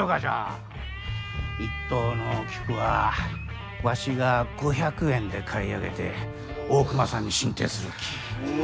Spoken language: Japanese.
一等の菊はわしが５００円で買い上げて大隈さんに進呈するき。